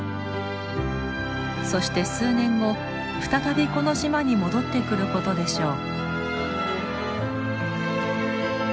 そして数年後再びこの島に戻ってくることでしょう。